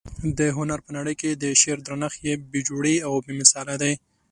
د هنر په نړۍ کي د شعر درنښت بې جوړې او بې مثاله دى.